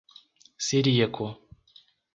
Ciríaco